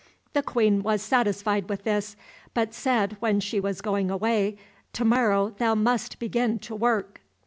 The queen was satisfied with this, but said when she was going away, "To morrow thou must begin to work."